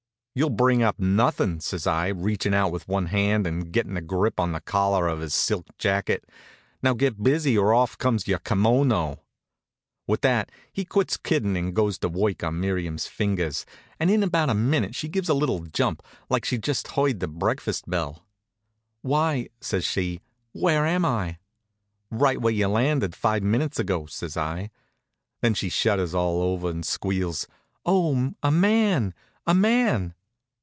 "You'll bring up nothin'," says I, reachin' out with one hand and gettin' a grip on the collar of his silk jacket. "Now get busy, or off comes your kimono." With that he quits kiddin' and goes to work on Miriam's fingers, and in about a minute she gives a little jump, like she'd just heard the breakfast bell. "Why!" says she. "Where am I?" "Right where you landed five minutes ago," says I. Then she shudders all over and squeals: "Oh! A man! A man!"